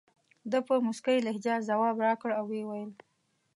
ده په موسکۍ لهجه ځواب راکړ او وویل.